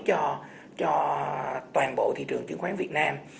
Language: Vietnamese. cho toàn bộ thị trường chứng khoán việt nam